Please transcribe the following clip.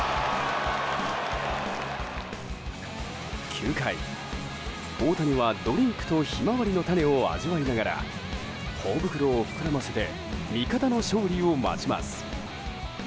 ９回、大谷はドリンクとヒマワリの種を味わいながら頬袋を膨らませて味方の勝利を待ちます。